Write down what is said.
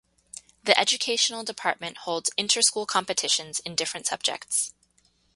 The Educational Department holds inter-school competitions in different subjects.